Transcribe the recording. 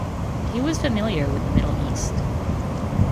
He was familiar with the Middle East.